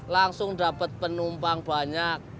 langsung dapet penumpang banyak